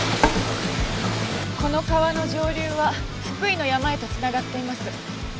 この川の上流は福井の山へと繋がっています。